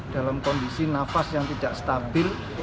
dalam kondisi nafas yang tidak stabil